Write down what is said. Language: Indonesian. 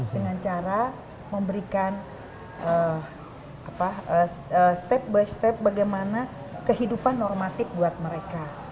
dengan cara memberikan step by step bagaimana kehidupan normatif buat mereka